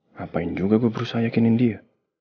ngapain juga gue berusaha yakinin dia